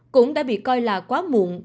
cũng đã bị coi là quá muộn